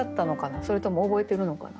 それとも覚えてるのかな？